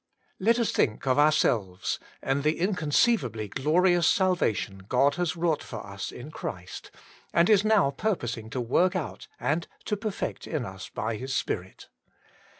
Let us think of ourselves, and the inconceiv bly glorious salvation God has wrought for us in Christ, and is now purposing to work out and to perfect in us by His Spirit.